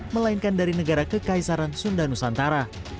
melainkan dari negara kekaisaran sunda nusantara